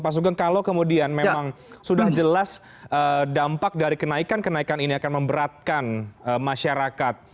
pak sugeng kalau kemudian memang sudah jelas dampak dari kenaikan kenaikan ini akan memberatkan masyarakat